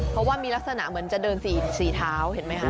เพราะว่ามีลักษณะเหมือนจะเดิน๔เท้าเห็นไหมคะ